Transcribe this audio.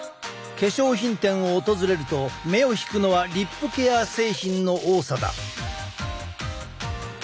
化粧品店を訪れると目を引くのはリップケア製品の多さだ！